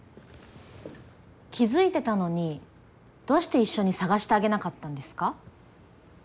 気付いてたのにどうして一緒に探してあげなかったんですか？